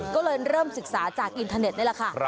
ก็เลยเริ่มศึกษาจากอินเทอร์เน็ตนี่แหละค่ะ